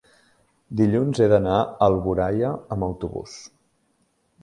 Dilluns he d'anar a Alboraia amb autobús.